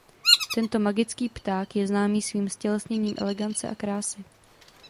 Tento magický pták je známý svým ztělesněním elegance a krásy.